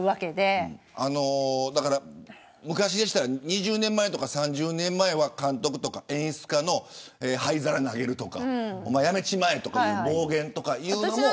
昔なら２０年前とか３０年前は監督や演出家の灰皿投げるとかお前、やめちまえとかいう暴言とかいうのを。